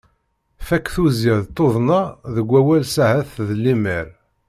Fakk tuzzya d tunnḍa deg wawal s ahat d lemmer.